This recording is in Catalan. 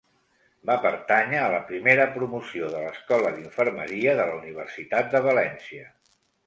Va pertànyer a la primera promoció de l'Escola d'Infermeria de la Universitat de València.